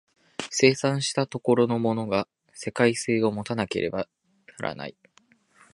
生産した所のものが世界性を有たなければならない。